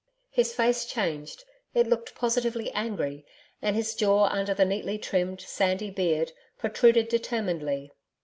His face changed: it looked positively angry, and his jaw under the neatly trimmed, sandy beard, protruded determinedly.